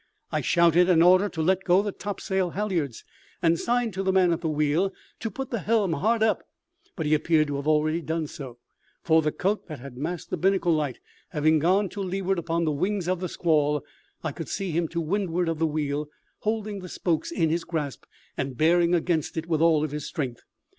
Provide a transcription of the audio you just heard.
I shouted an order to let go the topsail halliards, and signed to the man at the wheel to put the helm hard up; but he appeared to have already done so, for the coat that had masked the binnacle light having gone to leeward upon the wings of the squall I could see him to windward of the wheel, holding the spokes in his grasp and bearing against it with all his strength.